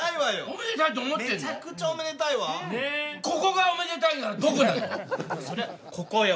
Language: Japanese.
ここがおめでたいならどこなの？